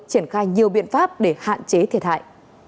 triển khai nhiều biện pháp để hạn chế thiệt hại